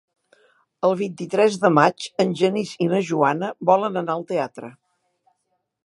El vint-i-tres de maig en Genís i na Joana volen anar al teatre.